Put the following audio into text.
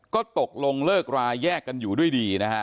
ก็ตกลงเลิกราแยกกันอยู่ด้วยดีนะฮะ